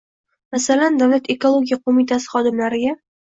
Masalan, Davlat ekologiya qo‘mitasi xodimlariga